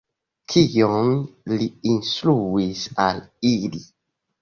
Kion li instruis al ili?